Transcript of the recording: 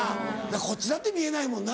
こっちだって見えないもんな。